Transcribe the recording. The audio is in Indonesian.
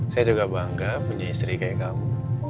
saya juga bangga punya istri kayak kamu